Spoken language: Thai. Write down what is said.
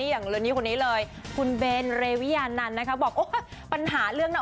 อย่างคนนี้เลย